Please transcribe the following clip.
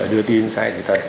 đưa tin sai thì thật